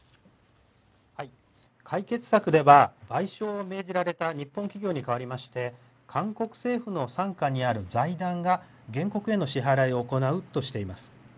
解決策では賠償を命じられた日本企業に代わりまして韓国政府の傘下にある財団が原告への支払いを行うとしています。